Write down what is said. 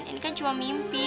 ini kan cuma mimpi